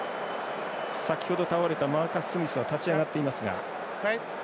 先ほど倒れたマーカス・スミスは立ち上がっていますが。